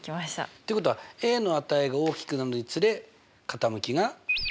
っていうことはの値が大きくなるにつれ傾きが？